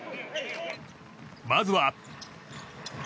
まずは。